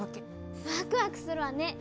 ワクワクするわね。